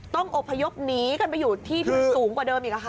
ต้องอบพยพหนีกันไปอยู่ที่ที่สูงกว่าเดิมอีกค่ะ